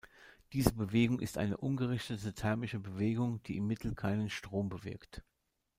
Diese Bewegung ist eine ungerichtete thermische Bewegung, die im Mittel keinen Strom bewirkt.